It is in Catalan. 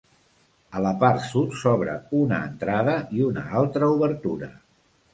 A la part sud s'obre una entrada i una altra obertura.